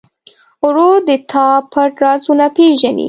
ورور د تا پټ رازونه پېژني.